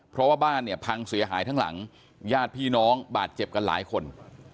เพราะว่าบ้านเนี่ยพังเสียหายทั้งหลังญาติพี่น้องบาดเจ็บกันหลายคน